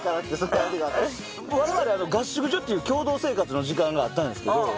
我々合宿所っていう共同生活の時間があったんですけど。